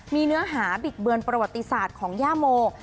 มีเนื้อหาบิดเบือนประวัติศาสตร์ของย่าโม